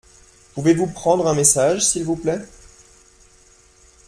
Pouvez-vous prendre un message s’il vous plait ?